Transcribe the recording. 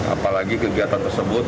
apalagi kegiatan tersebut